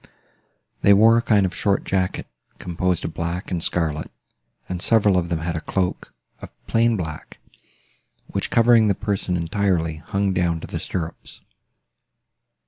They wore a kind of short jacket, composed of black and scarlet, and several of them had a cloak, of plain black, which, covering the person entirely, hung down to the stirrups.